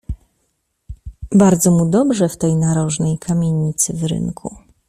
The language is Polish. Bardzo mu dobrze w tej narożnej kamienicy w rynku.